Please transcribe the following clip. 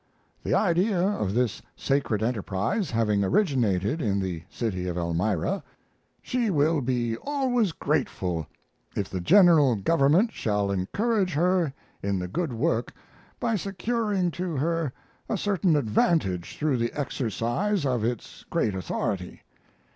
The idea of this sacred enterprise having originated in the city of Elmira, she will be always grateful if the general government shall encourage her in the good work by securing to her a certain advantage through the exercise of its great authority.